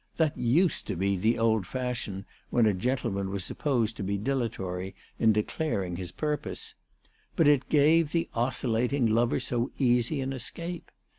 That used to be the old fashion when a gentleman was supposed to be dilatory in de claring his purpose. But it gave the oscillating lover so easy an escape